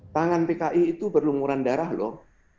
tangan pki itu berlumuran darah loh